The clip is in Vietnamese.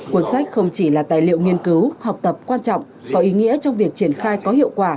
cuốn sách không chỉ là tài liệu nghiên cứu học tập quan trọng có ý nghĩa trong việc triển khai có hiệu quả